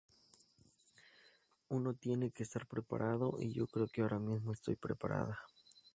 Uno tiene que estar preparado, y yo creo que ahora mismo estoy preparada.